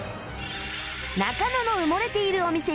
中野の埋もれているお店